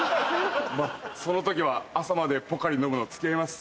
まぁその時は朝までポカリ飲むの付き合います。